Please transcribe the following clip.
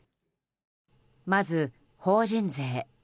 まず、法人税。